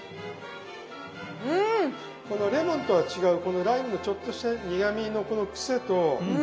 レモンとは違うこのライムのちょっとした苦みのこのクセと。